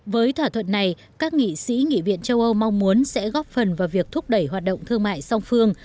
với thỏa thuận này các nghị sĩ nghị viện châu âu mong muốn sẽ góp phần vào việc thúc đẩy hoạt động thương mại song phương